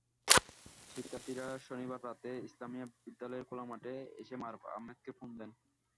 শিক্ষার্থীরা শনিবার রাতে ইসলামিয়া বিদ্যালয়ের খোলা মাঠে এসে মারুফ আহমেদকে ফোন দেন।